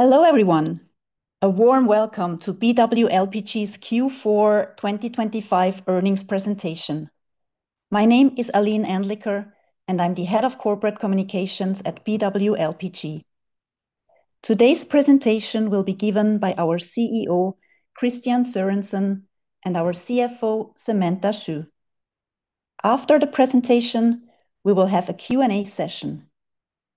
Hello everyone. A warm welcome to BW LPG's Q4 2025 earnings presentation. My name is Aline Anliker, and I'm the Head of Corporate Communications at BW LPG. Today's presentation will be given by our CEO, Kristian Sørensen, and our CFO, Samantha Xu. After the presentation, we will have a Q&A session.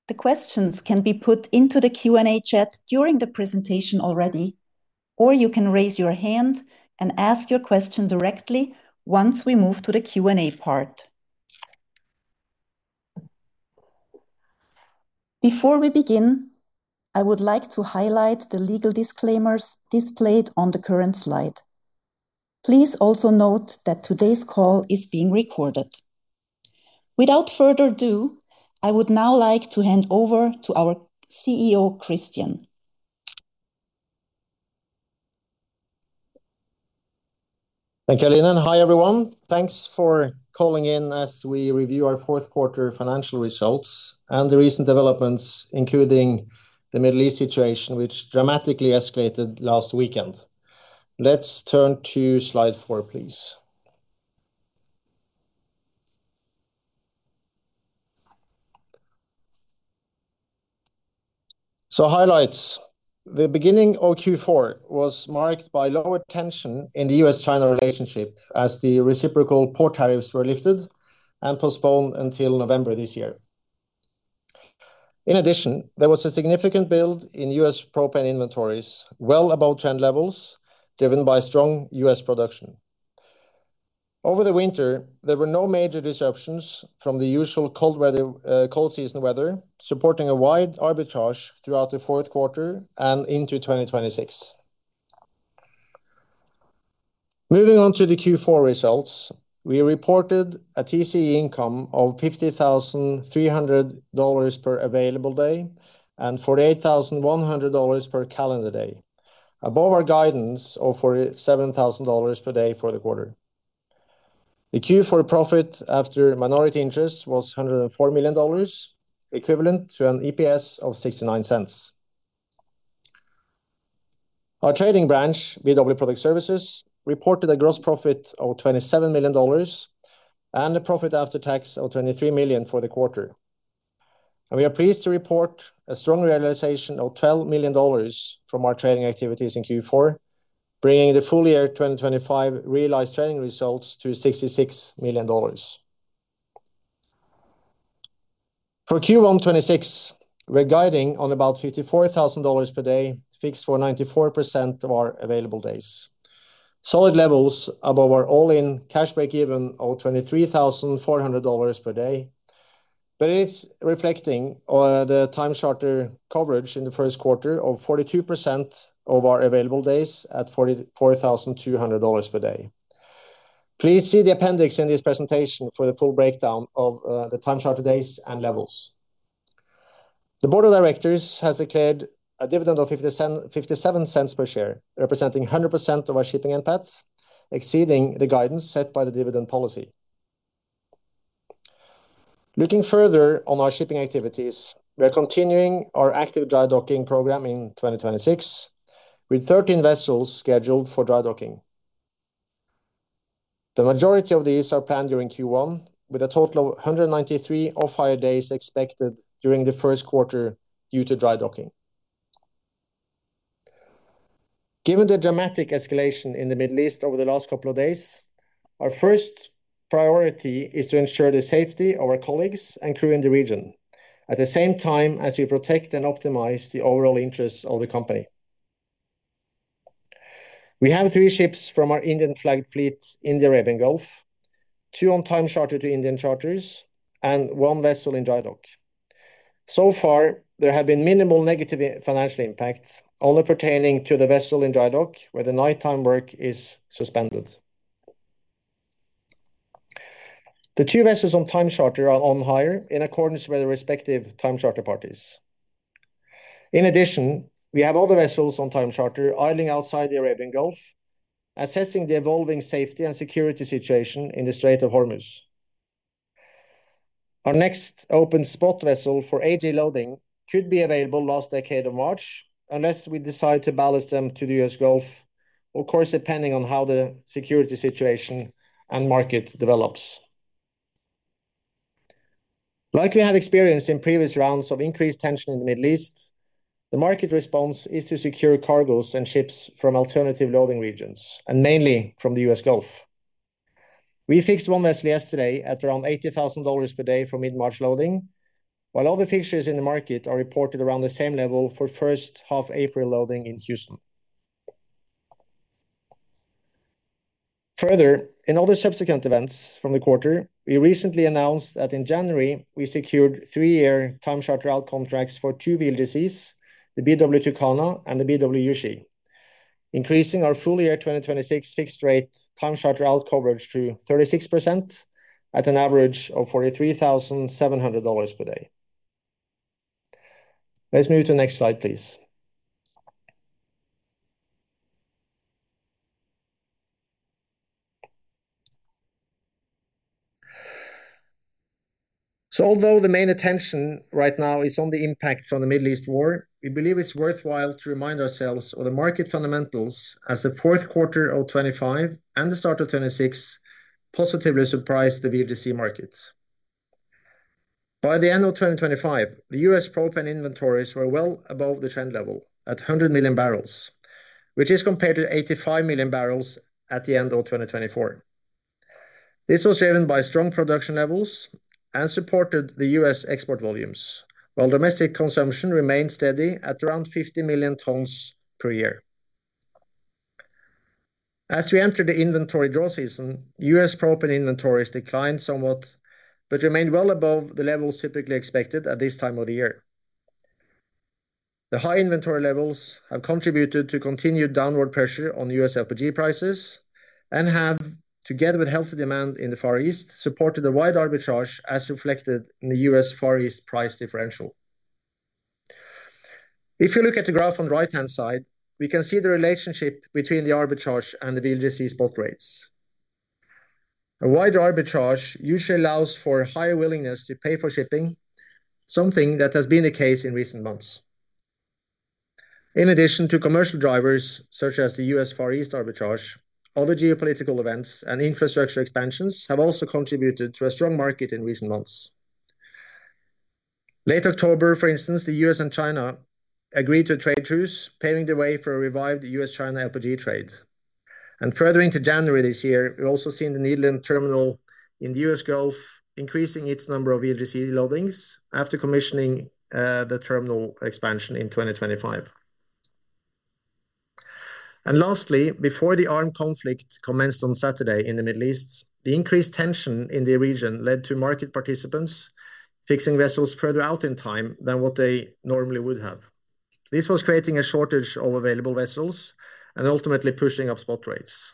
The questions can be put into the Q&A chat during the presentation already, or you can raise your hand and ask your question directly once we move to the Q&A part. Before we begin, I would like to highlight the legal disclaimers displayed on the current slide. Please also note that today's call is being recorded. Without further ado, I would now like to hand over to our CEO, Kristian. Thank you, Aline, and hi everyone. Thanks for calling in as we review our fourth quarter financial results and the recent developments, including the Middle East situation, which dramatically escalated last weekend. Let's turn to slide 4, please. Highlights. The beginning of Q4 was marked by lower tension in the US-China relationship as the reciprocal port tariffs were lifted and postponed until November this year. In addition, there was a significant build in US propane inventories well above trend levels, driven by strong US production. Over the winter, there were no major disruptions from the usual cold weather, cold season weather, supporting a wide arbitrage throughout the fourth quarter and into 2026. Moving on to the Q4 results. We reported a TCE income of $50,300 per available day and $48,100 per calendar day, above our guidance of $47,000 per day for the quarter. The Q4 profit after minority interest was $104 million, equivalent to an EPS of $0.69. Our trading branch, BW Product Services, reported a gross profit of $27 million and a profit after tax of $23 million for the quarter. We are pleased to report a strong realization of $12 million from our trading activities in Q4, bringing the full year 2025 realized trading results to $66 million. For Q1 2026, we're guiding on about $54,000 per day fixed for 94% of our available days. Solid levels above our all-in cash break-even of $23,400 per day. It is reflecting the time charter coverage in the first quarter of 42% of our available days at $44,200 per day. Please see the appendix in this presentation for the full breakdown of the time charter days and levels. The board of directors has declared a dividend of $0.57 per share, representing 100% of our shipping NPAT, exceeding the guidance set by the dividend policy. Looking further on our shipping activities, we are continuing our active drydocking program in 2026, with 13 vessels scheduled for drydocking. The majority of these are planned during Q1 with a total of 193 off-hire days expected during the first quarter due to drydocking. Given the dramatic escalation in the Middle East over the last couple of days, our first priority is to ensure the safety of our colleagues and crew in the region at the same time as we protect and optimize the overall interests of the company. We have three ships from our Indian-flagged fleet in the Arabian Gulf, two on time charter to Indian charters and one vessel in drydock. So far, there have been minimal negative financial impacts, only pertaining to the vessel in drydock, where the nighttime work is suspended. The two vessels on time charter are on hire in accordance with the respective time charter parties. In addition, we have other vessels on time charter idling outside the Arabian Gulf, assessing the evolving safety and security situation in the Strait of Hormuz. Our next open spot vessel for AJ loading could be available last decade of March unless we decide to ballast them to the US Gulf, of course, depending on how the security situation and market develops. Like we have experienced in previous rounds of increased tension in the Middle East, the market response is to secure cargoes and ships from alternative loading regions, and mainly from the US Gulf. We fixed one vessel yesterday at around $80,000 per day for mid-March loading, while other fixings in the market are reported around the same level for first half April loading in Houston. Further, in other subsequent events from the quarter, we recently announced that in January, we secured 3-year time charter out contracts for two VLGCs, the BW Tucana and the BW Yushi, increasing our full year 2026 fixed rate time charter out coverage to 36% at an average of $43,700 per day. Let's move to the next slide, please. Although the main attention right now is on the impact from the Middle East war, we believe it's worthwhile to remind ourselves of the market fundamentals as the fourth quarter of 2025 and the start of 2026 positively surprised the VLGC market. By the end of 2025, the U.S. propane inventories were well above the trend level at 100 million barrels, which is compared to 85 million barrels at the end of 2024. This was driven by strong production levels and supported the U.S. export volumes, while domestic consumption remained steady at around 50 million tons per year. As we enter the inventory draw season, U.S. propane inventories declined somewhat but remained well above the levels typically expected at this time of the year. The high inventory levels have contributed to continued downward pressure on U.S. LPG prices and have, together with healthy demand in the Far East, supported the wide arbitrage as reflected in the U.S. Far East price differential. If you look at the graph on the right-hand side, we can see the relationship between the arbitrage and the VLGC spot rates. A wide arbitrage usually allows for higher willingness to pay for shipping, something that has been the case in recent months. In addition to commercial drivers, such as the U.S. Far East arbitrage, other geopolitical events and infrastructure expansions have also contributed to a strong market in recent months. Late October, for instance, the U.S. and China agreed to a trade truce, paving the way for a revived U.S.-China LPG trade. Further into January this year, we also seen the Nederland Terminal in the U.S. Gulf increasing its number of VLGC loadings after commissioning the terminal expansion in 2025. Lastly, before the armed conflict commenced on Saturday in the Middle East, the increased tension in the region led to market participants fixing vessels further out in time than what they normally would have. This was creating a shortage of available vessels and ultimately pushing up spot rates.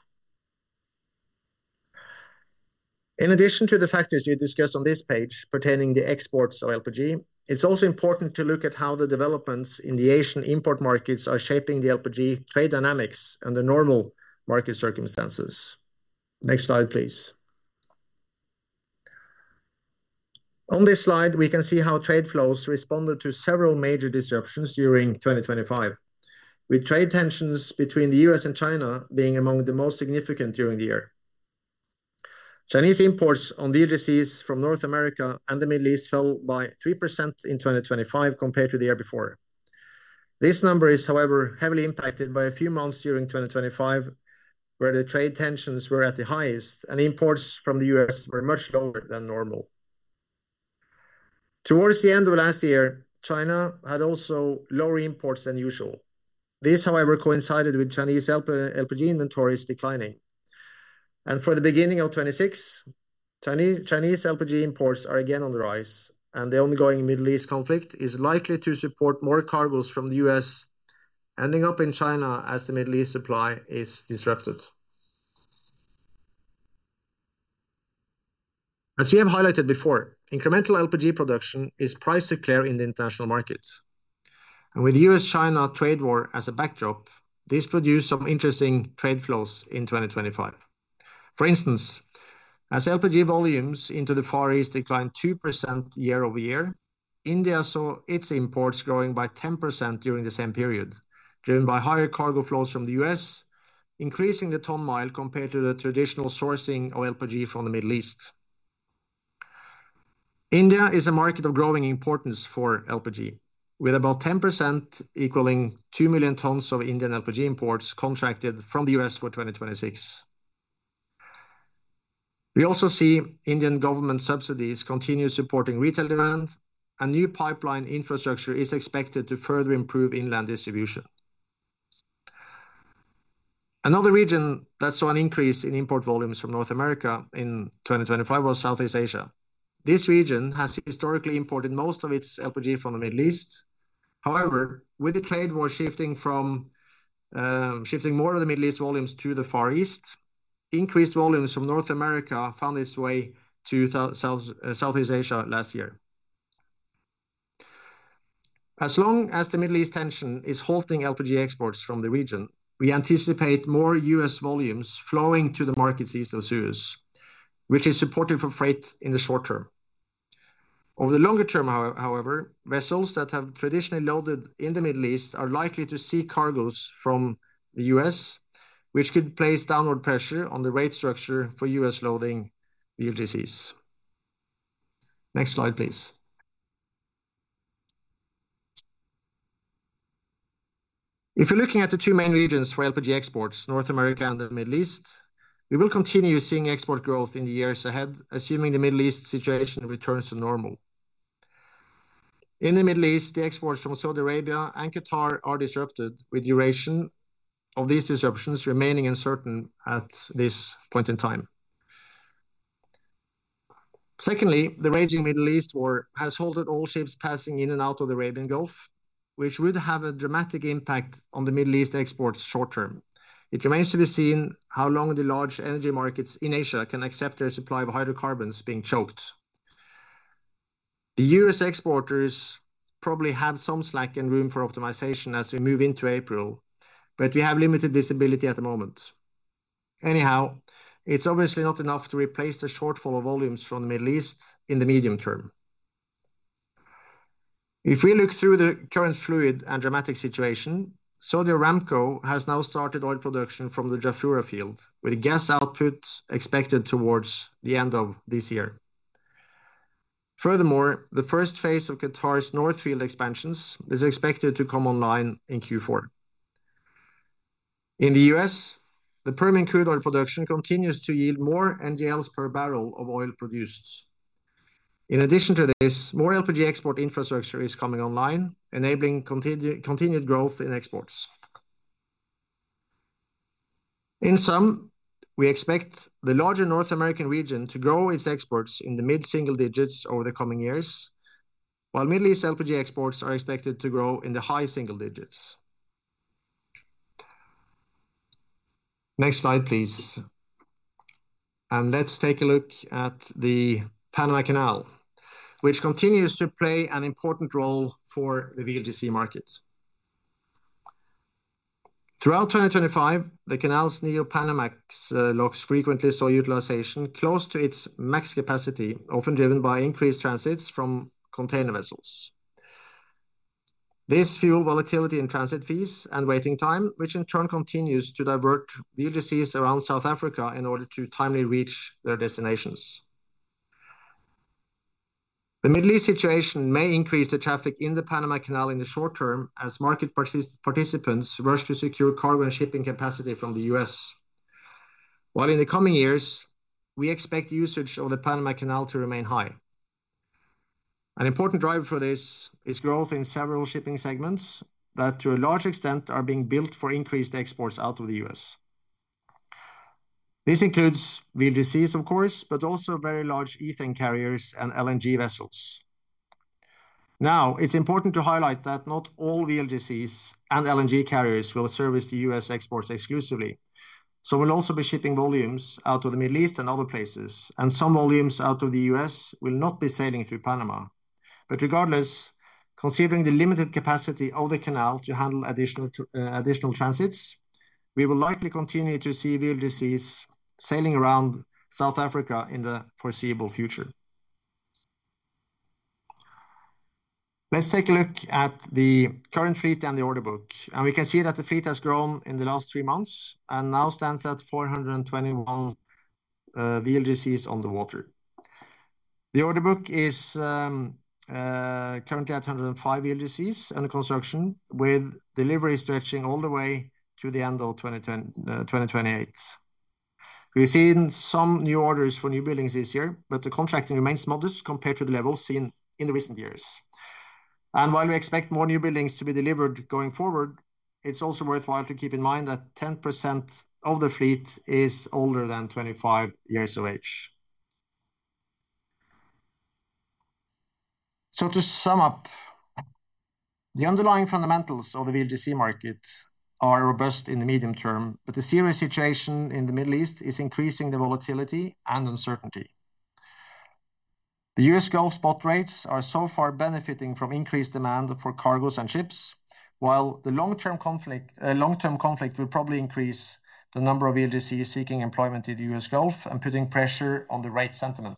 In addition to the factors we discussed on this page pertaining the exports of LPG, it's also important to look at how the developments in the Asian import markets are shaping the LPG trade dynamics under normal market circumstances. Next slide, please. On this slide, we can see how trade flows responded to several major disruptions during 2025, with trade tensions between the U.S. and China being among the most significant during the year. Chinese imports on VLGCs from North America and the Middle East fell by 3% in 2025 compared to the year before. This number is, however, heavily impacted by a few months during 2025, where the trade tensions were at the highest and imports from the U.S. were much lower than normal. Towards the end of last year, China had also lower imports than usual. This, however, coincided with Chinese LPG inventories declining. For the beginning of 2026, Chinese LPG imports are again on the rise, the ongoing Middle East conflict is likely to support more cargoes from the U.S. ending up in China as the Middle East supply is disrupted. As we have highlighted before, incremental LPG production is priced to clear in the international markets. With the U.S.-China trade war as a backdrop, this produced some interesting trade flows in 2025. For instance, as LPG volumes into the Far East declined 2% year-over-year, India saw its imports growing by 10% during the same period, driven by higher cargo flows from the U.S., increasing the ton-mile compared to the traditional sourcing of LPG from the Middle East. India is a market of growing importance for LPG, with about 10% equaling 2 million tons of Indian LPG imports contracted from the US for 2026. We also see Indian government subsidies continue supporting retail demand, and new pipeline infrastructure is expected to further improve inland distribution. Another region that saw an increase in import volumes from North America in 2025 was Southeast Asia. This region has historically imported most of its LPG from the Middle East. However, with the trade war shifting more of the Middle East volumes to the Far East, increased volumes from North America found its way to Southeast Asia last year. As long as the Middle East tension is halting LPG exports from the region, we anticipate more US volumes flowing to the markets east of Suez, which is supportive for freight in the short term. Over the longer term, however, vessels that have traditionally loaded in the Middle East are likely to seek cargoes from the US, which could place downward pressure on the rate structure for US loading VLGCs. Next slide, please. If you're looking at the two main regions for LPG exports, North America and the Middle East, we will continue seeing export growth in the years ahead, assuming the Middle East situation returns to normal. In the Middle East, the exports from Saudi Arabia and Qatar are disrupted, with duration of these disruptions remaining uncertain at this point in time. Secondly, the raging Middle East war has halted all ships passing in and out of the Arabian Gulf, which would have a dramatic impact on the Middle East exports short term. It remains to be seen how long the large energy markets in Asia can accept their supply of hydrocarbons being choked. The U.S. exporters probably have some slack and room for optimization as we move into April, but we have limited visibility at the moment. Anyhow, it's obviously not enough to replace the shortfall of volumes from the Middle East in the medium term. If we look through the current fluid and dramatic situation, Saudi Aramco has now started oil production from the Jafurah field, with gas output expected towards the end of this year. Furthermore, the first phase of Qatar's North Field expansions is expected to come online in Q4. In the U.S., the Permian crude oil production continues to yield more NGLs per barrel of oil produced. In addition to this, more LPG export infrastructure is coming online, enabling continued growth in exports. In sum, we expect the larger North American region to grow its exports in the mid-single digits over the coming years, while Middle East LPG exports are expected to grow in the high single digits. Next slide, please. Let's take a look at the Panama Canal, which continues to play an important role for the VLGC market. Throughout 2025, the canal's Neopanamax locks frequently saw utilization close to its max capacity, often driven by increased transits from container vessels. This fueled volatility in transit fees and waiting time, which in turn continues to divert VLGCs around South Africa in order to timely reach their destinations. The Middle East situation may increase the traffic in the Panama Canal in the short term as market participants rush to secure cargo and shipping capacity from the U.S. While in the coming years, we expect usage of the Panama Canal to remain high. An important driver for this is growth in several shipping segments that, to a large extent, are being built for increased exports out of the U.S. This includes VLGCs, of course, but also very large ethane carriers and LNG vessels. It's important to highlight that not all VLGCs and LNG carriers will service the U.S. exports exclusively, will also be shipping volumes out of the Middle East and other places, and some volumes out of the U.S. will not be sailing through Panama. Regardless, considering the limited capacity of the canal to handle additional transits, we will likely continue to see VLGCs sailing around South Africa in the foreseeable future. Let's take a look at the current fleet and the order book. We can see that the fleet has grown in the last 3 months and now stands at 421 VLGCs on the water. The order book is currently at 105 VLGCs under construction, with delivery stretching all the way to the end of 2028. We've seen some new orders for newbuildings this year, but the contracting remains modest compared to the levels seen in the recent years. While we expect more newbuildings to be delivered going forward, it's also worthwhile to keep in mind that 10% of the fleet is older than 25 years of age. To sum up, the underlying fundamentals of the VLGC market are robust in the medium term, but the serious situation in the Middle East is increasing the volatility and uncertainty. The U.S. Gulf spot rates are so far benefiting from increased demand for cargoes and ships, while the long-term conflict will probably increase the number of VLGCs seeking employment in the U.S. Gulf and putting pressure on the rate sentiment.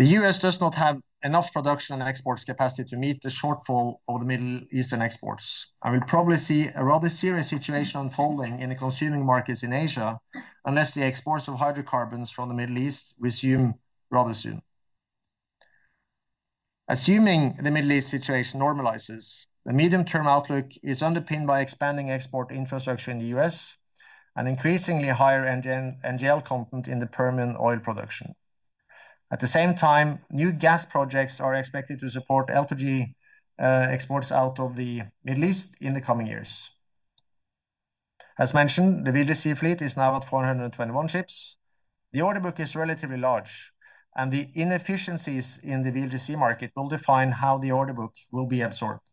The U.S. does not have enough production and exports capacity to meet the shortfall of the Middle Eastern exports, and we'll probably see a rather serious situation unfolding in the consuming markets in Asia unless the exports of hydrocarbons from the Middle East resume rather soon. Assuming the Middle East situation normalizes, the medium-term outlook is underpinned by expanding export infrastructure in the U.S. and increasingly higher NGL content in the Permian oil production. At the same time, new gas projects are expected to support LPG exports out of the Middle East in the coming years. As mentioned, the VLGC fleet is now at 421 ships. The order book is relatively large, and the inefficiencies in the VLGC market will define how the order book will be absorbed.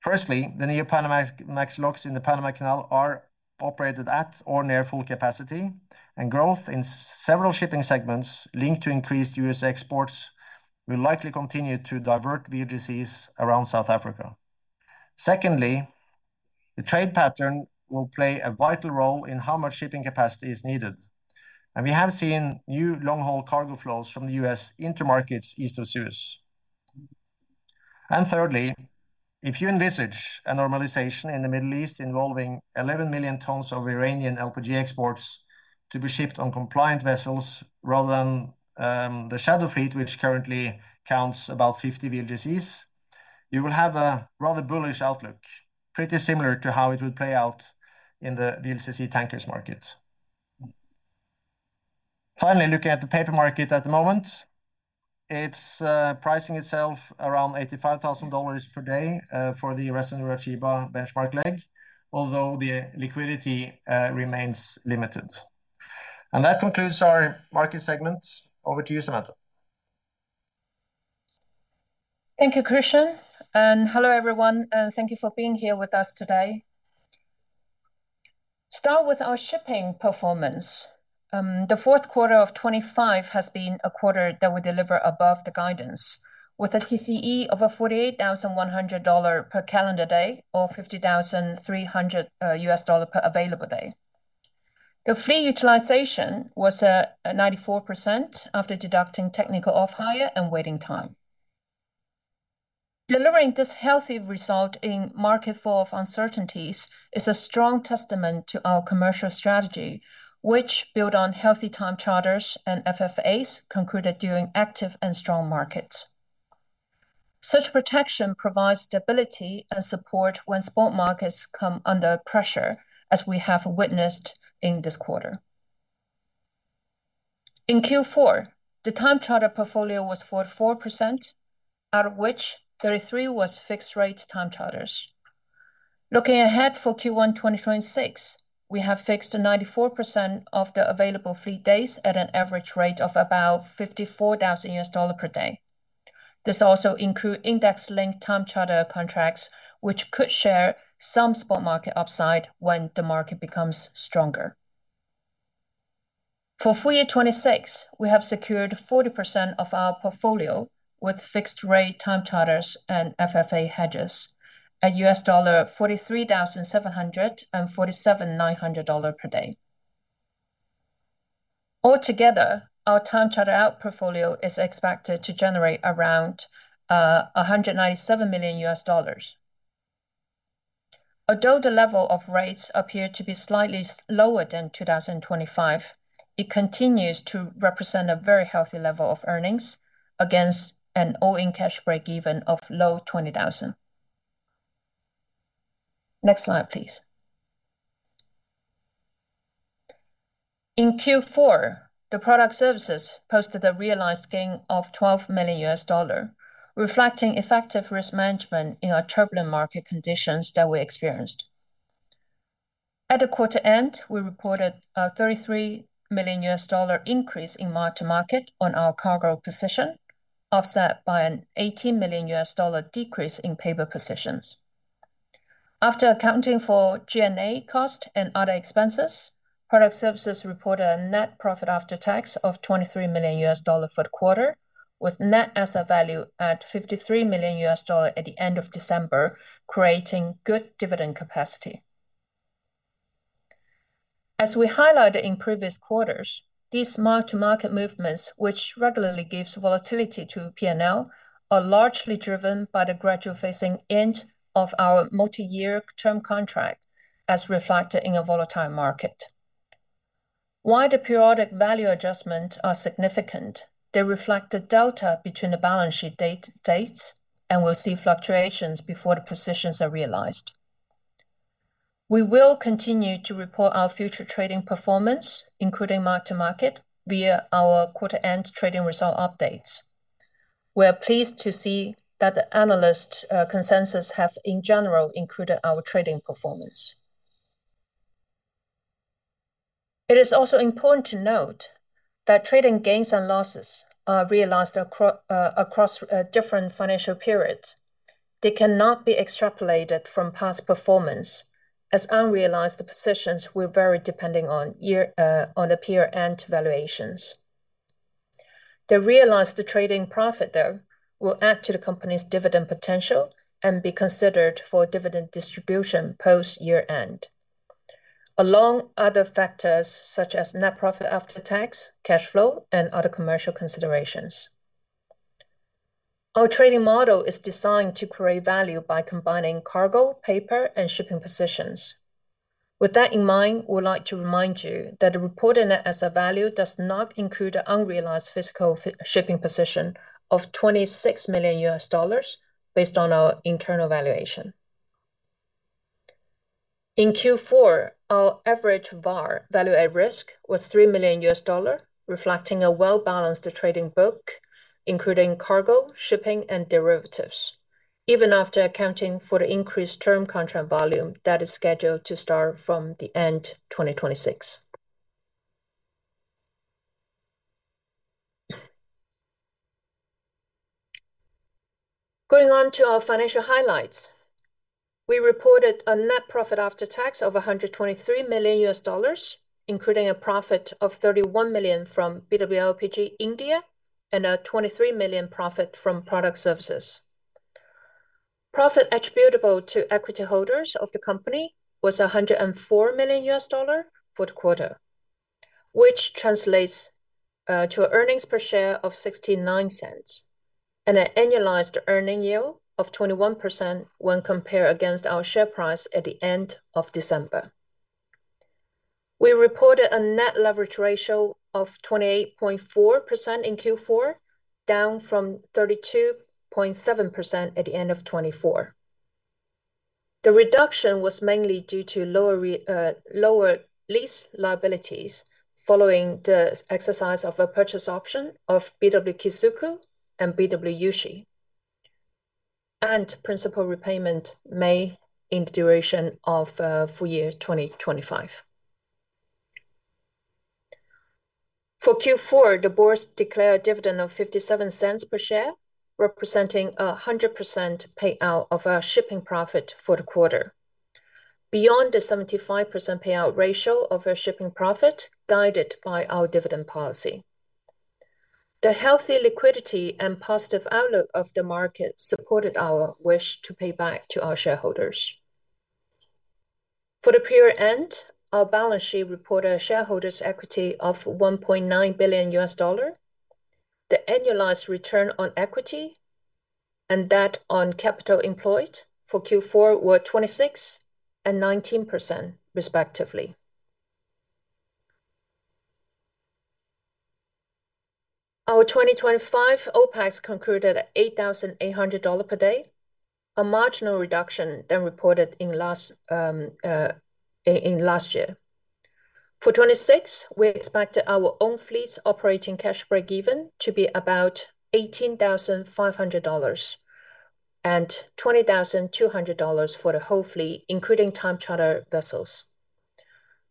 Firstly, the Neopanamax locks in the Panama Canal are operated at or near full capacity, and growth in several shipping segments linked to increased U.S. exports will likely continue to divert VLGCs around South Africa. Secondly, the trade pattern will play a vital role in how much shipping capacity is needed, and we have seen new long-haul cargo flows from the U.S. into markets east of Suez. Thirdly, if you envisage a normalization in the Middle East involving 11 million tons of Iranian LPG exports to be shipped on compliant vessels rather than the shadow fleet, which currently counts about 50 VLGCs, you will have a rather bullish outlook, pretty similar to how it would play out in the VLCC tankers market. Finally, looking at the paper market at the moment, it's pricing itself around $85,000 per day for the Ras Tanura-Chiba benchmark leg, although the liquidity remains limited. That concludes our market segment. Over to you, Samantha. Thank you, Kristian. Hello, everyone, and thank you for being here with us today. Start with our shipping performance. The fourth quarter of 2025 has been a quarter that we deliver above the guidance with a TCE of $48,100 per calendar day or $50,300 per available day. The fleet utilization was at 94% after deducting technical off-hire and waiting time. Delivering this healthy result in market full of uncertainties is a strong testament to our commercial strategy, which build on healthy time charters and FFAs concluded during active and strong markets. Such protection provides stability and support when spot markets come under pressure, as we have witnessed in this quarter. In Q4, the time charter portfolio was 44%, out of which 33% was fixed rate time charters. Looking ahead for Q1 2026, we have fixed 94% of the available fleet days at an average rate of about $54,000 per day. This also include index-linked time charter contracts, which could share some spot market upside when the market becomes stronger. For full year 2026, we have secured 40% of our portfolio with fixed rate time charters and FFA hedges at $43,747.900 per day. Altogether, our time charter out portfolio is expected to generate around $197 million. Although the level of rates appear to be slightly lower than 2025, it continues to represent a very healthy level of earnings against an all-in cash break-even of low $20,000. Next slide, please. In Q4, BW Product Services posted a realized gain of $12 million, reflecting effective risk management in our turbulent market conditions that we experienced. At the quarter end, we reported a $33 million increase in mark-to-market on our cargo position, offset by an $18 million decrease in paper positions. After accounting for G&A cost and other expenses, BW Product Services report a net profit after tax of $23 million for the quarter, with net asset value at $53 million at the end of December, creating good dividend capacity. As we highlighted in previous quarters, these mark-to-market movements, which regularly gives volatility to P&L, are largely driven by the gradual phasing in of our multiyear term contract as reflected in a volatile market. While the periodic value adjustment are significant, they reflect the delta between the balance sheet dates, and we'll see fluctuations before the positions are realized. We will continue to report our future trading performance, including mark-to-market, via our quarter end trading result updates. We are pleased to see that the analyst consensus have in general included our trading performance. It is also important to note that trading gains and losses are realized across different financial periods. They cannot be extrapolated from past performance, as unrealized positions will vary depending on the period end valuations. The realized trading profit, though, will add to the company's dividend potential and be considered for dividend distribution post year-end, along other factors such as net profit after tax, cash flow, and other commercial considerations. Our trading model is designed to create value by combining cargo, paper, and shipping positions. With that in mind, we would like to remind you that the reported net asset value does not include an unrealized physical shipping position of $26 million based on our internal valuation. In Q4, our average VaR, value at risk, was $3 million, reflecting a well-balanced trading book, including cargo, shipping, and derivatives, even after accounting for the increased term contract volume that is scheduled to start from the end 2026. Going on to our financial highlights. We reported a net profit after tax of $123 million, including a profit of $31 million from BW LPG India and a $23 million profit from BW Product Services. Profit attributable to equity holders of the company was $104 million for the quarter, which translates to earnings per share of $0.69 and an annualized earning yield of 21% when compared against our share price at the end of December. We reported a net leverage ratio of 28.4% in Q4, down from 32.7% at the end of 2024. The reduction was mainly due to lower lease liabilities following the exercise of a purchase option of BW Kizoku and BW Yushi and principal repayment made in the duration of full year 2025. For Q4, the boards declare a dividend of $0.57 per share, representing a 100% payout of our shipping profit for the quarter. Beyond the 75% payout ratio of our shipping profit guided by our dividend policy. The healthy liquidity and positive outlook of the market supported our wish to pay back to our shareholders. For the period end, our balance sheet report our shareholders' equity of $1.9 billion. The annualized return on equity and that on capital employed for Q4 were 26% and 19% respectively. Our 2025 OPEX concluded at $8,800 per day, a marginal reduction than reported in last year. For 2026, we expect our own fleet's operating cash break-even to be about $18,500 and $20,200 for the whole fleet, including time charter vessels.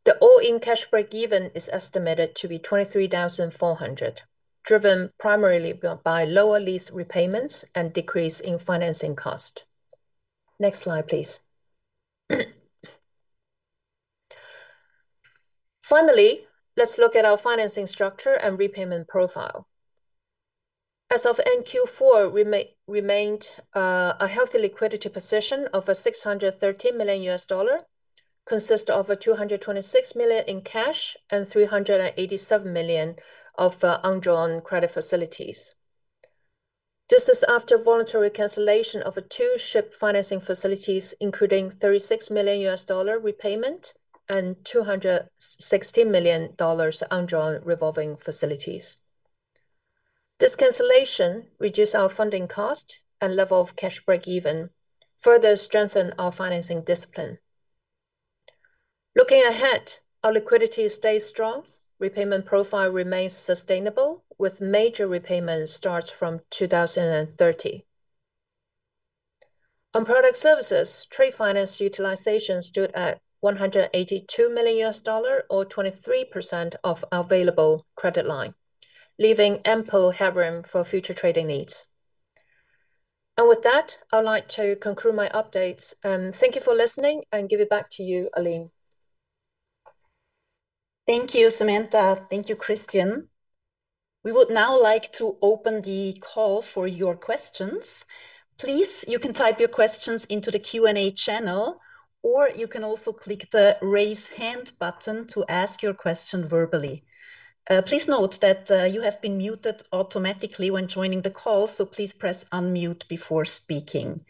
The all-in cash break-even is estimated to be $23,400, driven primarily by lower lease repayments and decrease in financing cost. Next slide, please. Finally, let's look at our financing structure and repayment profile. As of end Q4, we remained a healthy liquidity position of $630 million, consist of $226 million in cash and $387 million of undrawn credit facilities. This is after voluntary cancellation of two ship financing facilities, including $36 million repayment and $260 million undrawn revolving facilities. This cancellation reduce our funding cost and level of cash break-even, further strengthen our financing discipline. Looking ahead, our liquidity stays strong, repayment profile remains sustainable with major repayments starts from 2030. On Product Services, trade finance utilization stood at $182 million or 23% of available credit line, leaving ample headroom for future trading needs. With that, I would like to conclude my updates. Thank you for listening and give it back to you, Aline. Thank you, Samantha. Thank you, Kristian. We would now like to open the call for your questions. Please, you can type your questions into the Q&A channel, or you can also click the Raise Hand button to ask your question verbally. Please note that you have been muted automatically when joining the call, please press unmute before speaking.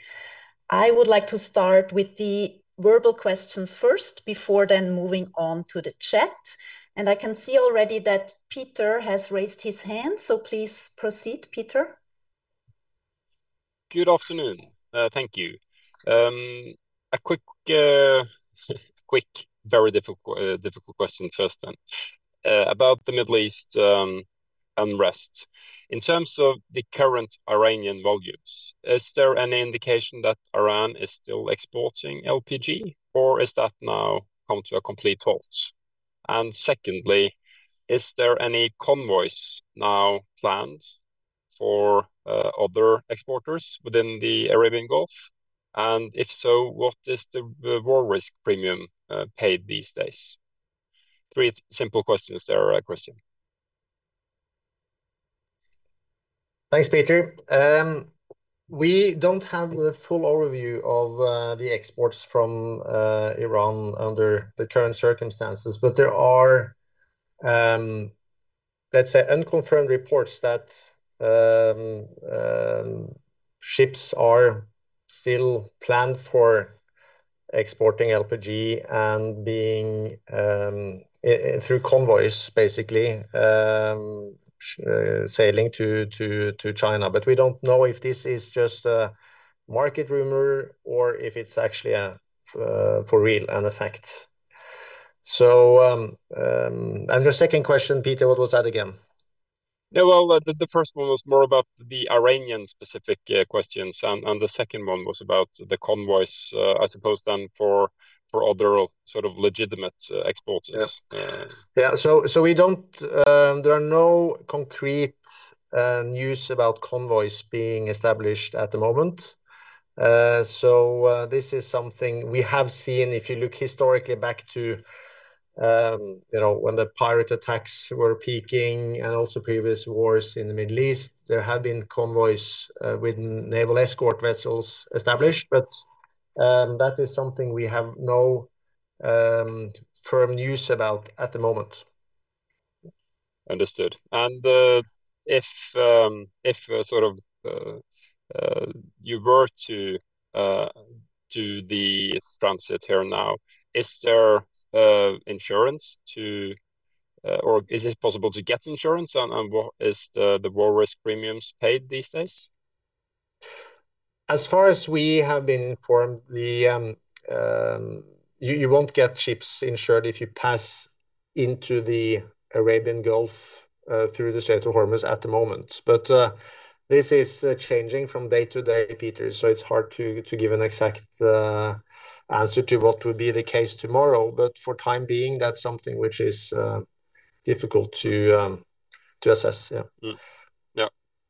I would like to start with the verbal questions first before then moving on to the chat. I can see already that Petter has raised his hand, please proceed, Petter. Good afternoon. Thank you. A quick, very difficult question first then. About the Middle East unrest. In terms of the current Iranian volumes, is there any indication that Iran is still exporting LPG, or is that now come to a complete halt? Secondly, is there any convoys now planned for other exporters within the Arabian Gulf? If so, what is the war risk premium paid these days? Three simple questions there, Kristian. Thanks, Petter. We don't have the full overview of the exports from Iran under the current circumstances, but there are, let's say unconfirmed reports that ships are still planned for exporting LPG and being through convoys basically, sailing to China. We don't know if this is just a market rumor or if it's actually for real and a fact. Your second question, Petter, what was that again? Yeah. Well, the first one was more about the Iranian specific questions and the second one was about the convoys, I suppose then for other sort of legitimate exporters. Yeah. Yeah. There are no concrete news about convoys being established at the moment. This is something we have seen, if you look historically back to, you know, when the pirate attacks were peaking and also previous wars in the Middle East, there have been convoys with naval escort vessels established, but that is something we have no firm news about at the moment. Understood. If sort of you were to do the transit here now, is there insurance to or is it possible to get insurance on what is the war risk premiums paid these days? As far as we have been informed, the, you won't get ships insured if you pass into the Arabian Gulf, through the Strait of Hormuz at the moment. This is changing from day to day, Petter, so it's hard to give an exact answer to what would be the case tomorrow. For time being, that's something which is difficult to assess. Yeah.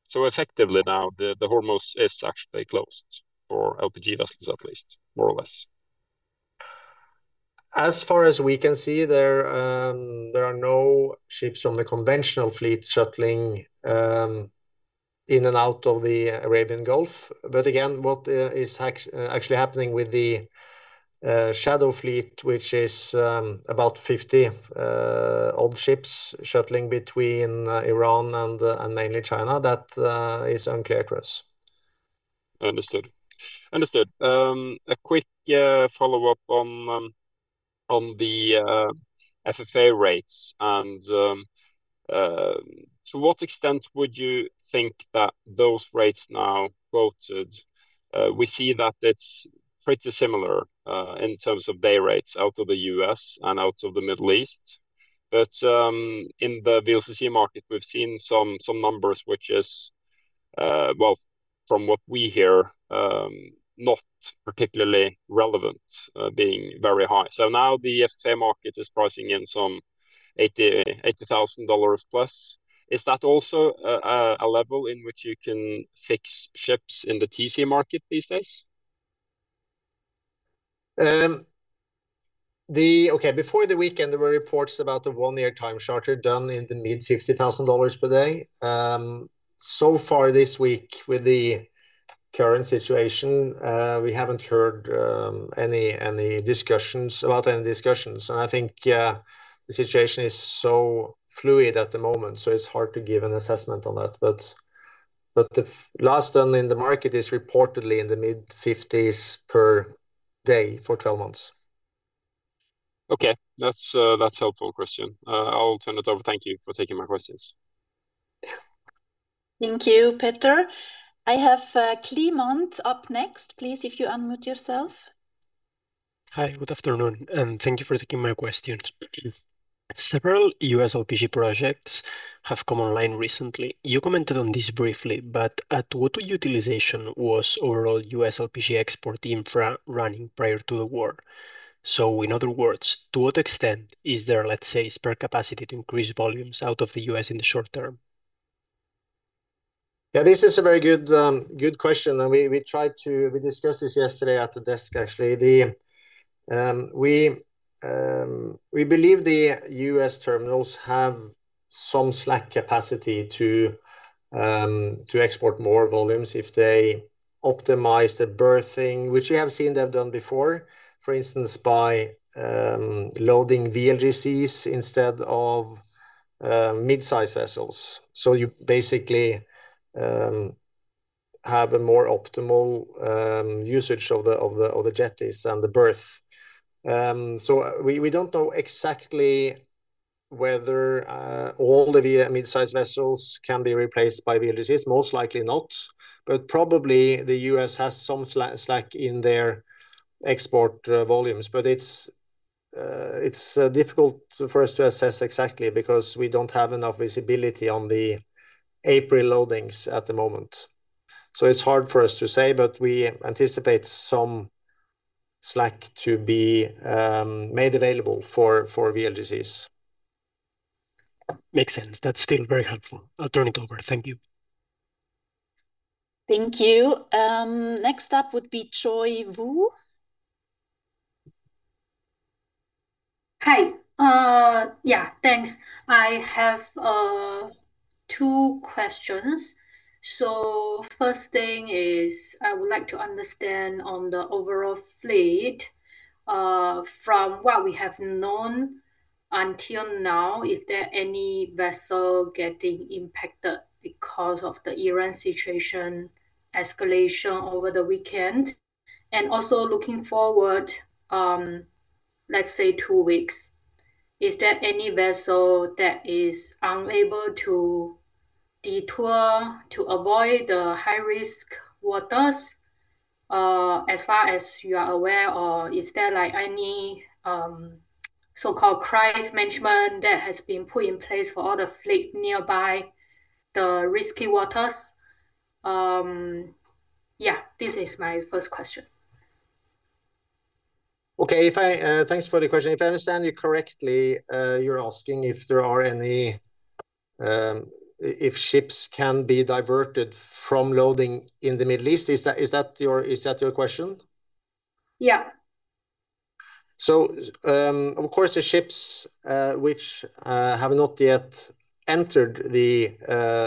Mm-hmm. Yeah. Effectively now, the Hormuz is actually closed for LPG vessels at least, more or less. As far as we can see there are no ships from the conventional fleet shuttling in and out of the Arabian Gulf. Again, what is actually happening with the shadow fleet, which is about 50 old ships shuttling between Iran and mainly China, that is unclear to us. Understood. Understood. A quick follow-up on on the FFA rates and to what extent would you think that those rates now quoted, we see that it's pretty similar in terms of day rates out of the U.S. and out of the Middle East. In the VLCC market, we've seen some numbers which is, well, from what we hear, not particularly relevant, being very high. Now the FFA market is pricing in some $80,000 plus. Is that also a level in which you can fix ships in the TC market these days? Okay, before the weekend, there were reports about the 1-year time charter done in the mid $50,000 per day. So far this week with the current situation, we haven't heard any discussions about any discussions. I think the situation is so fluid at the moment, so it's hard to give an assessment on that. But the last done in the market is reportedly in the mid-$50s per day for 12 months. Okay. That's, that's helpful, Kristian. I'll turn it over. Thank you for taking my questions. Yeah. Thank you, Petter. I have Clement up next. Please if you unmute yourself. Hi. Good afternoon, and thank you for taking my questions. Several U.S. LPG projects have come online recently. You commented on this briefly, but at what utilization was overall U.S. LPG export infra running prior to the war? In other words, to what extent is there, let's say, spare capacity to increase volumes out of the U.S. in the short term? Yeah, this is a very good question. We discussed this yesterday at the desk, actually. We believe the U.S. terminals have some slack capacity to export more volumes if they optimize the berthing, which we have seen them done before. For instance, by loading VLGCs instead of mid-size vessels. You basically have a more optimal usage of the jetties and the berth. We don't know exactly whether all the mid-size vessels can be replaced by VLGCs, most likely not. Probably the U.S. has some slack in their export volumes. It's difficult for us to assess exactly because we don't have enough visibility on the April loadings at the moment. It's hard for us to say, but we anticipate some slack to be made available for VLGCs. Makes sense. That's still very helpful. I'll turn it over. Thank you. Thank you. Next up would be Joy. Hi. Yeah, thanks. I have two questions. First thing is I would like to understand on the overall fleet, from what we have known until now, is there any vessel getting impacted because of the Iran situation escalation over the weekend? Looking forward, let's say two weeks, is there any vessel that is unable to detour to avoid the high-risk waters, as far as you are aware, or is there like any so-called crisis management that has been put in place for all the fleet nearby the risky waters? Yeah, this is my first question. Okay. Thanks for the question. If I understand you correctly, you're asking if there are any, if ships can be diverted from loading in the Middle East. Is that your question? Yeah. Of course, the ships which have not yet entered the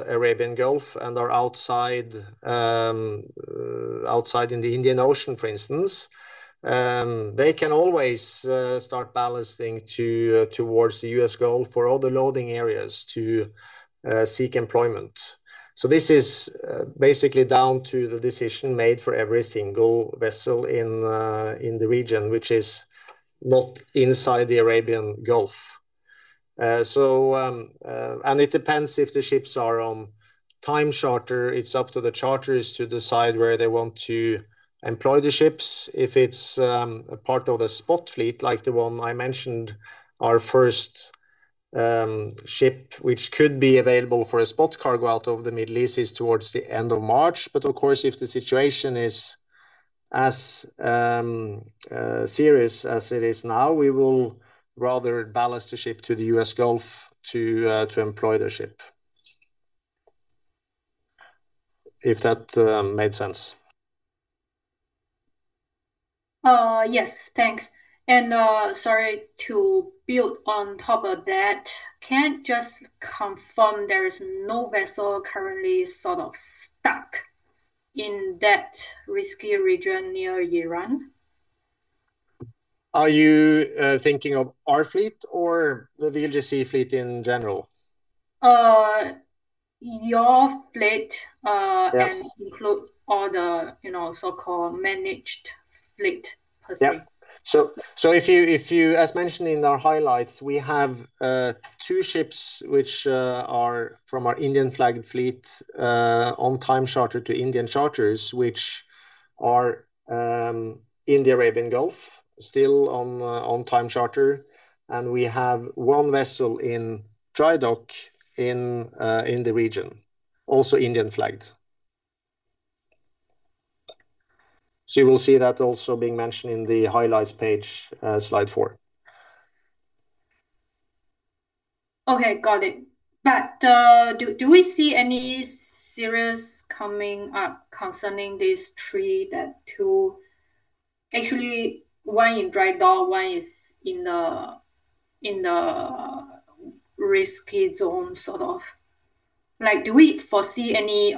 Arabian Gulf and are outside in the Indian Ocean, for instance, they can always start ballasting towards the U.S. Gulf for all the loading areas to seek employment. This is basically down to the decision made for every single vessel in the region, which is not inside the Arabian Gulf. It depends if the ships are on time charter. It's up to the charterers to decide where they want to employ the ships. If it's a part of the spot fleet, like the one I mentioned, our first ship, which could be available for a spot cargo out of the Middle East is towards the end of March. Of course, if the situation is As serious as it is now, we will rather ballast the ship to the US Gulf to employ the ship. If that made sense. yes. Thanks. sorry, to build on top of that, can you just confirm there is no vessel currently sort of stuck in that risky region near Iran? Are you thinking of our fleet or the VLGC fleet in general? Uh, your fleet- Yeah... and includes all the, you know, so-called managed fleet per se. As mentioned in our highlights, we have two ships which are from our Indian-flagged fleet on time charter to Indian charters which are in the Arabian Gulf, still on time charter. We have one vessel in dry dock in the region, also Indian-flagged. You will see that also being mentioned in the highlights page, slide 4. Okay. Got it. Do we see any serious coming up concerning these three? Actually, one in dry dock, one is in the risky zone, sort of. Do we foresee any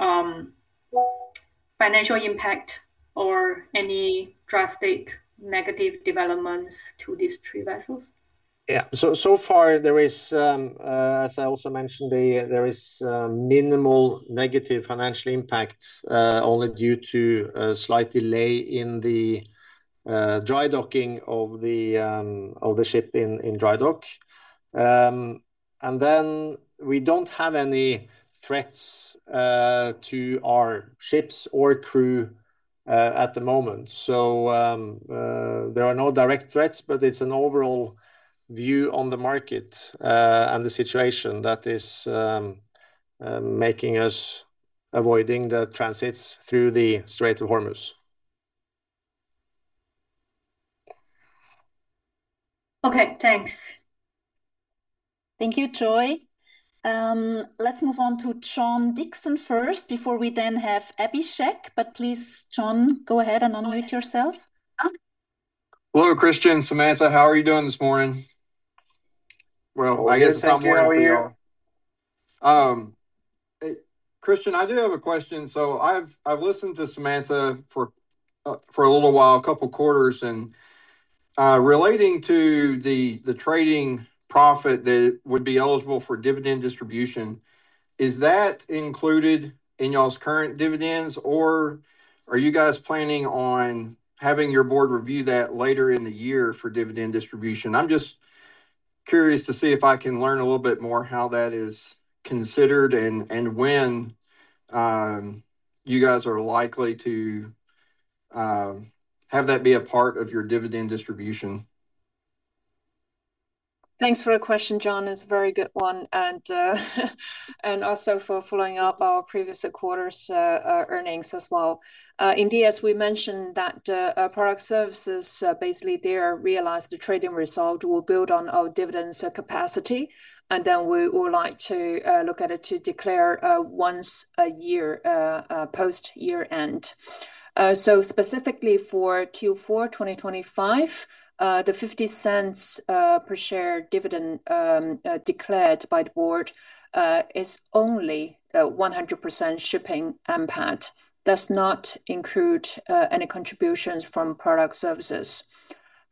financial impact or any drastic negative developments to these three vessels? Yeah. So far there is, as I also mentioned, there is minimal negative financial impact only due to a slight delay in the dry docking of the ship in dry dock. We don't have any threats to our ships or crew at the moment. There are no direct threats, but it's an overall view on the market and the situation that is making us avoiding the transits through the Strait of Hormuz. Okay, thanks. Thank you, Joy. Let's move on to John Dickson first before we then have Abhishek. Please, John, go ahead and unmute yourself. Hello, Kristian, Samantha. How are you doing this morning? Well, I guess it's not morning for y'all. Always thank you. Kristian, I do have a question. I've listened to Samantha for a little while, a couple quarters. Relating to the trading profit that would be eligible for dividend distribution, is that included in y'all's current dividends or are you guys planning on having your board review that later in the year for dividend distribution? I'm just curious to see if I can learn a little bit more how that is considered and when you guys are likely to have that be a part of your dividend distribution. Thanks for the question, John. It's a very good one and also for following up our previous quarter's earnings as well. Indeed, as we mentioned that our product services basically they are realized the trading result will build on our dividends capacity and then we would like to look at it to declare once a year post year-end. Specifically for Q4 2025, the $0.50 per share dividend declared by the board is only 100% shipping NPAT. Does not include any contributions from product services.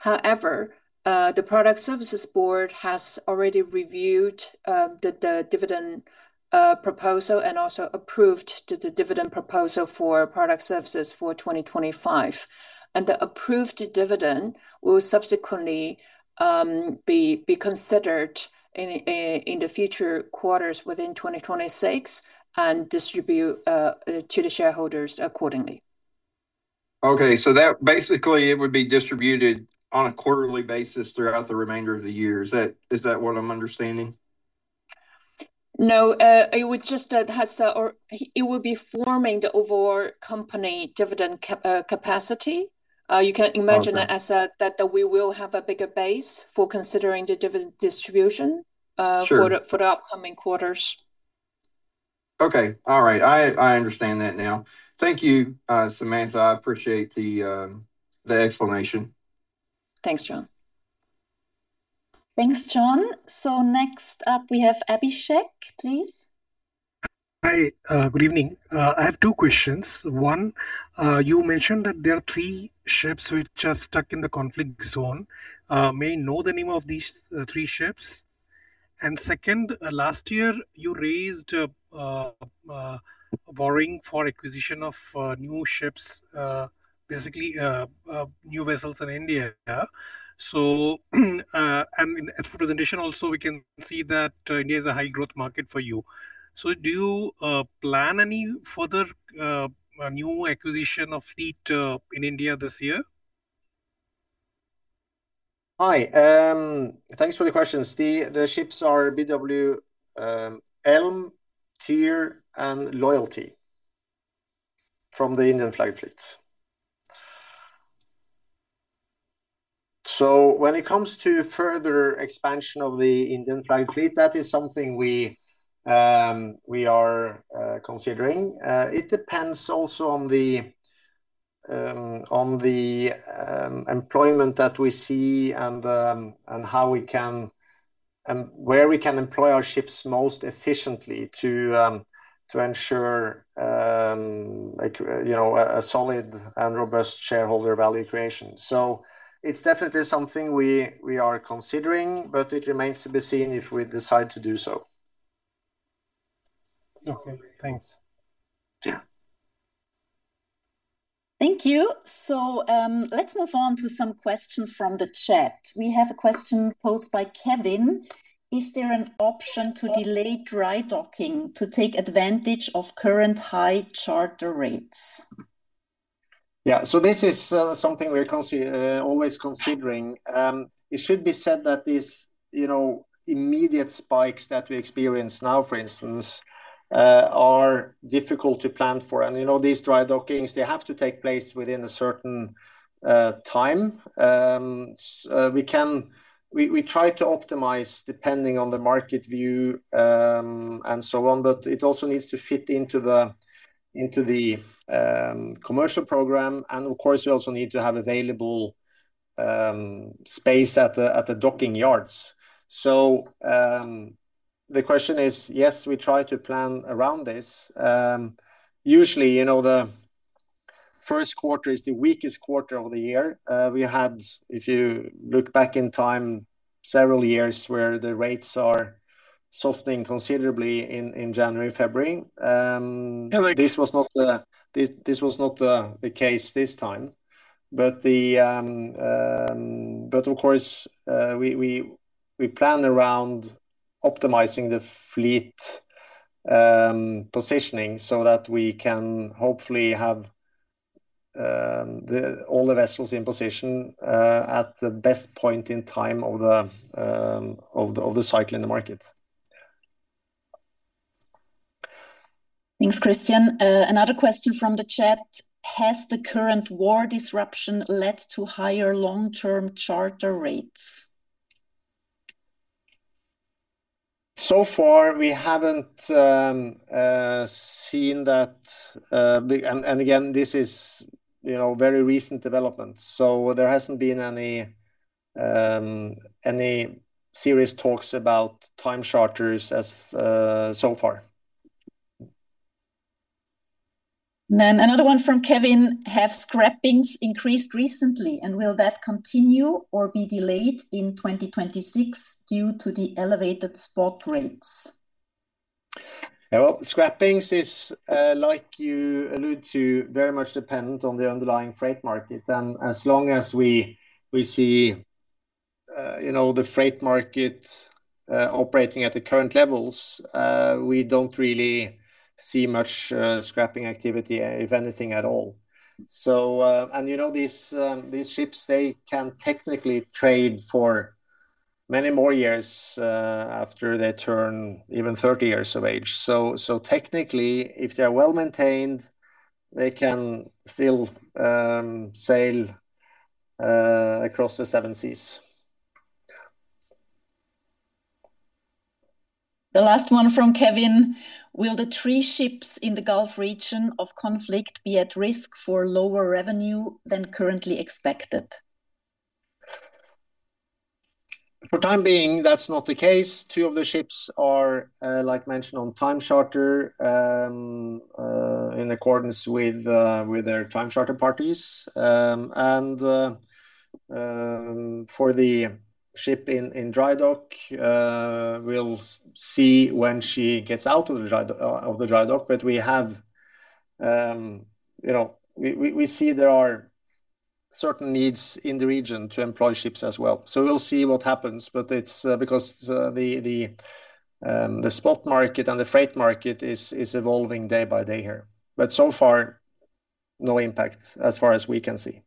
The product services board has already reviewed the dividend proposal and also approved the dividend proposal for product services for 2025. The approved dividend will subsequently be considered in the future quarters within 2026 and distribute to the shareholders accordingly. Okay. That basically it would be distributed on a quarterly basis throughout the remainder of the year. Is that what I'm understanding? No, it would just, has, or it would be forming the overall company dividend capacity. You can imagine. Okay... it as a, that, we will have a bigger base for considering the dividend distribution. Sure for the upcoming quarters. Okay. All right. I understand that now. Thank you, Samantha. I appreciate the explanation. Thanks, John. Thanks, John. Next up we have Abhishek, please. Hi. Good evening. I have two questions. One, you mentioned that there are three ships which are stuck in the conflict zone. May I know the name of these three ships? Second, last year you raised borrowing for acquisition of new ships, basically, new vessels in India. In the presentation also we can see that India is a high growth market for you. Do you plan any further new acquisition of fleet in India this year? Hi. Thanks for the questions. The ships are BW Elm, BW Tyr and BW Loyalty from the Indian flag fleet. When it comes to further expansion of the Indian flag fleet, that is something we are considering. It depends also on the employment that we see and how we can and where we can employ our ships most efficiently to ensure, like, you know, a solid and robust shareholder value creation. It's definitely something we are considering, but it remains to be seen if we decide to do so. Okay. Thanks. Yeah. Thank you. Let's move on to some questions from the chat. We have a question posed by Kevin: Is there an option to delay dry docking to take advantage of current high charter rates? Yeah. This is something we're always considering. It should be said that these, you know, immediate spikes that we experience now, for instance, are difficult to plan for. You know, these dry dockings, they have to take place within a certain time. We can we try to optimize depending on the market view, and so on, but it also needs to fit into the commercial program. Of course, we also need to have available space at the docking yards. The question is, yes, we try to plan around this. Usually, you know, the first quarter is the weakest quarter of the year. We had, if you look back in time several years where the rates are softening considerably in January, February. Yeah.... this was not the case this time. Of course, we plan around optimizing the fleet positioning so that we can hopefully have all the vessels in position at the best point in time of the cycle in the market. Thanks, Kristian. Another question from the chat. Has the current war disruption led to higher long-term charter rates? So far we haven't seen that and again, this is, you know, very recent developments, so there hasn't been any serious talks about time charters as so far. Another one from Kevin. Have scrappings increased recently, and will that continue or be delayed in 2026 due to the elevated spot rates? Yeah. Well, scrappings is, like you allude to, very much dependent on the underlying freight market. As long as we see, you know, the freight market, operating at the current levels, we don't really see much scrapping activity, if anything at all. You know, these ships, they can technically trade for many more years, after they turn even 30 years of age. So technically, if they are well-maintained, they can still, sail, across the seven seas. The last one from Kevin. Will the three ships in the Gulf region of conflict be at risk for lower revenue than currently expected? For time being, that's not the case. Two of the ships are like mentioned, on time charter, in accordance with their time charter parties. For the ship in dry dock, we'll see when she gets out of the dry dock. We have, you know, we see there are certain needs in the region to employ ships as well. We'll see what happens, but it's because the spot market and the freight market is evolving day by day here. So far, no impact as far as we can see.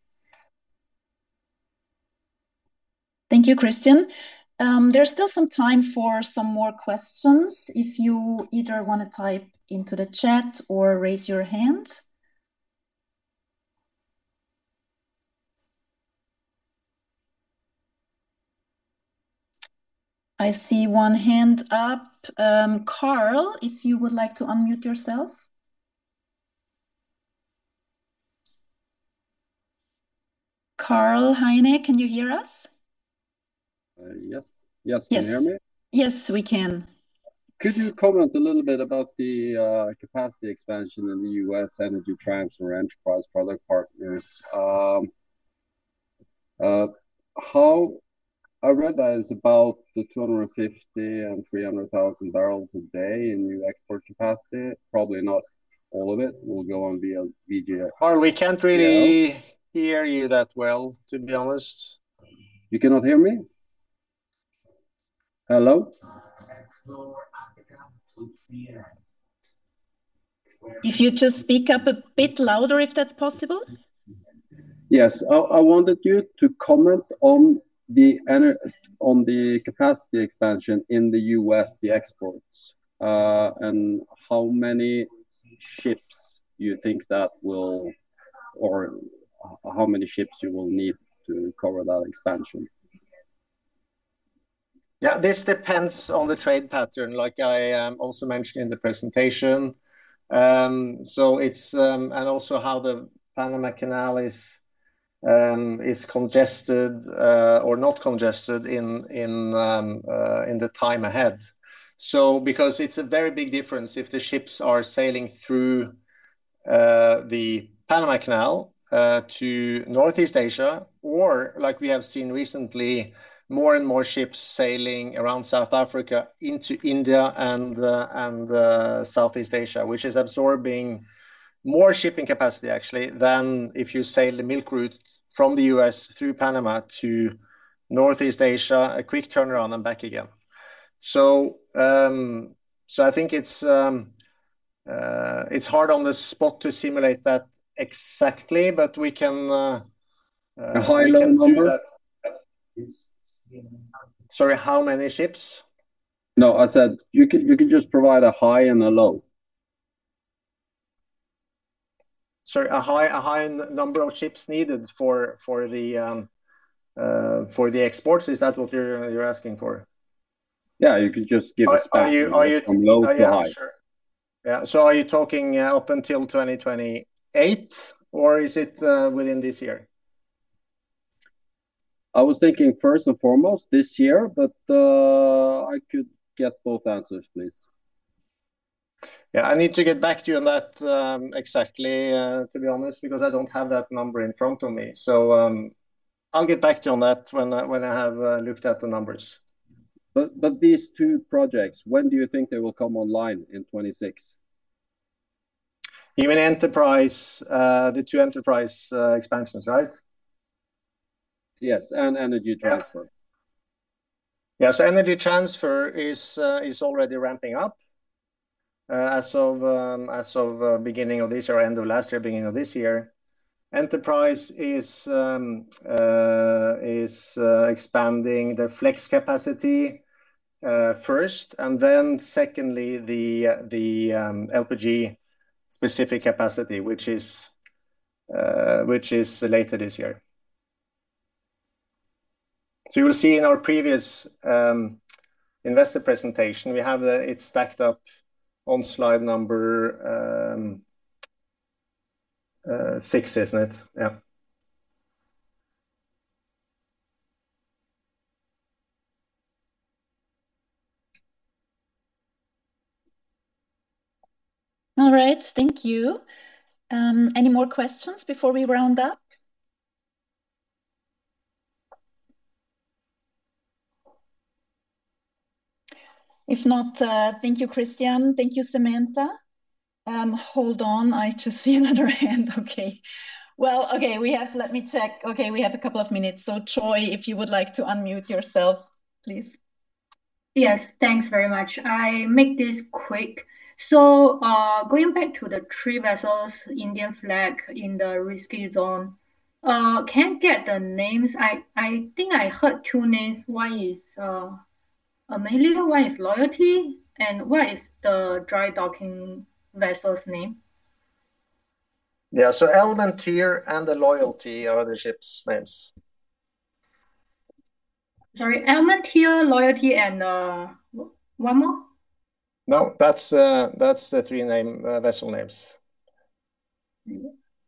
Thank you, Kristian. There's still some time for some more questions if you either want to type into the chat or raise your hand. I see one hand up. Carl, if you would like to unmute yourself. Carl, can you hear us? Yes. Yes. Yes. Can you hear me? Yes, we can. Could you comment a little bit about the capacity expansion in the U.S. Energy Transfer Enterprise Products Partners? I read that it's about the 250,000-300,000 barrels a day in new export capacity. Probably not all of it will go on VLGCs. Carl, we can't really hear you that well, to be honest. You cannot hear me? Hello? If you just speak up a bit louder, if that's possible. Yes. I wanted you to comment on the capacity expansion in the U.S., the exports, and how many ships you will need to cover that expansion. Yeah, this depends on the trade pattern, like I also mentioned in the presentation. Also how the Panama Canal is congested or not congested in the time ahead. Because it's a very big difference if the ships are sailing through the Panama Canal to Northeast Asia, or like we have seen recently, more and more ships sailing around South Africa into India and Southeast Asia, which is absorbing more shipping capacity actually than if you sail the milk run from the U.S. through Panama to Northeast Asia, a quick turnaround and back again. I think it's hard on the spot to simulate that exactly, but we can. A high, low number. we can do that. Sorry, how many ships? No, I said you can, you can just provide a high and a low. Sorry, a high number of ships needed for the exports. Is that what you're asking for? Yeah, you can just give a spectrum- Are you?... from low to high. Yeah, sure. Yeah. Are you talking up until 2028 or is it within this year? I was thinking first and foremost this year, but, I could get both answers, please. Yeah. I need to get back to you on that, exactly, to be honest, because I don't have that number in front of me. I'll get back to you on that when I, when I have looked at the numbers. These two projects, when do you think they will come online in 2026? You mean Enterprise, the 2 Enterprise, expansions, right? Yes. Energy Transfer. Yeah. Yes, Energy Transfer is already ramping up as of beginning of this or end of last year, beginning of this year. Enterprise is expanding their flex capacity first and then secondly, the LPG specific capacity, which is later this year. You will see in our previous investor presentation, we have it stacked up on slide number six, isn't it? Yeah. All right. Thank you. Any more questions before we round up? If not, thank you, Kristian. Thank you, Samantha. Hold on. I just see another hand. Okay, we have a couple of minutes. Troy, if you would like to unmute yourself, please. Yes. Thanks very much. I make this quick. Going back to the three vessels, Indian flag in the risky zone. Can't get the names. I think I heard two names. One Elm, BW Tyr, one is Loyalty, and what is the dry docking vessel's name? Yeah. BW Elm, BW Tyr and BW Loyalty are the ships' names. Sorry, bw Elm, BW Tyr, bw Loyalty, and one more? No, that's the 3 name, vessel names.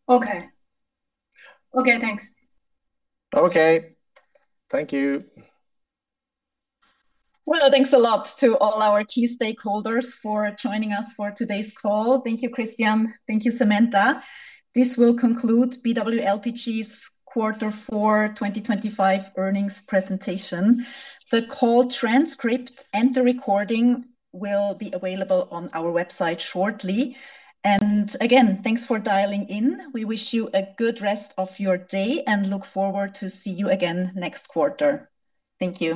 Okay. Okay, thanks. Okay. Thank you. Well, thanks a lot to all our key stakeholders for joining us for today's call. Thank you, Kristian. Thank you, Samantha. This will conclude BW LPG's quarter 4 2025 earnings presentation. The call transcript and the recording will be available on our website shortly. Again, thanks for dialing in. We wish you a good rest of your day and look forward to see you again next quarter. Thank you.